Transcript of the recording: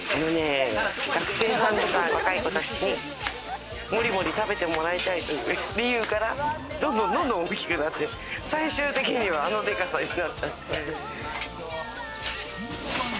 学生さんとか若い子たちに、モリモリ食べてもらいたいという理由から、どんどん大きくなって、最終的には、あのでかさになった。